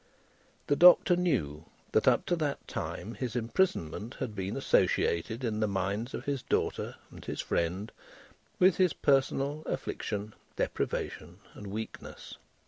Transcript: The Doctor knew, that up to that time, his imprisonment had been associated in the minds of his daughter and his friend, with his personal affliction, deprivation, and weakness.